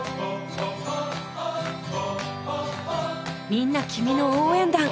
みんな君の応援団。